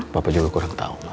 bapak juga kurang tau